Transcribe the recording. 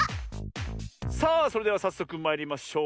さあそれではさっそくまいりましょう。